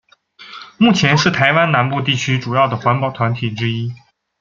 目前是台湾南部地区主要的环保团体之一。